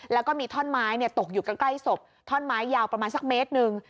แล้วก็มีถ้อนไม้เนี่ยตกอยู่ใกล้ใกล้ศพถ้อนไม้ยาวประมาณสักเมตรหนึ่ง